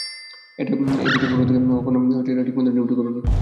এই পোশাক পড়ার পর থেকে, কখনো ঠিকমতো ডিউটি করোনি।